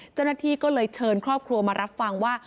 เจ้าหน้าที่ก็เลยเชิญครอบครัวมารับฟังว่า